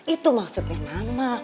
itu maksudnya mama